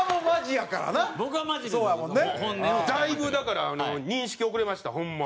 だいぶだから認識遅れましたホンマ。